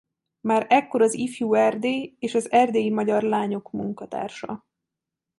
Már ekkor az Ifjú Erdély és az Erdélyi Magyar Lányok munkatársa.